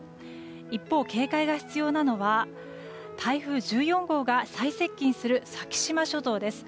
一方、警戒が必要なのが台風１４号が最接近する先島諸島です。